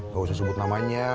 gak usah sebut namanya